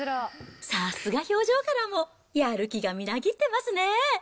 さすが表情からも、やる気がみなぎってますね。